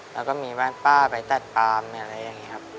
แล้วก็มีบ้านป้าไปตัดปามมีอะไรอย่างนี้ครับ